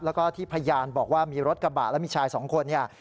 แล้วก็ที่พยานบอกว่ามีรถกระบะแล้วมีชายสองคนเนี่ย